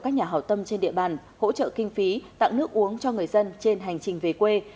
các nhà hảo tâm trên địa bàn hỗ trợ kinh phí tặng nước uống cho người dân trên hành trình về quê